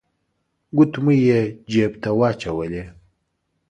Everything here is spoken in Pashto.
ګوتمۍ يې جيب ته واچولې.